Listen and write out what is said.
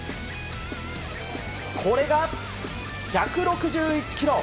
これが１６１キロ。